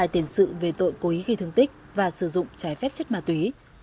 hai tiền sự về tội cố ý gây thương tích và sử dụng trái phép chất ma túy